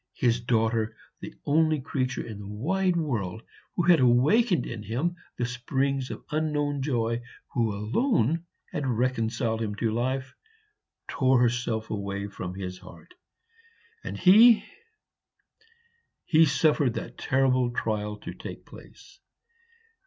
His daughter, the only creature in the wide world who had awakened in him the springs of unknown joy, who alone had reconciled him to life, tore herself away from his heart, and he he suffered the terrible trial to take place.